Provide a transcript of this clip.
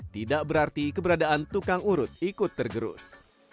tidak berarti keberadaan tukang urut ikut tergerus